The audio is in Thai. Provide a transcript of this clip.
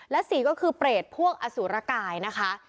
และ๔ก็คือเปรตพวกอสุรกายนะคะ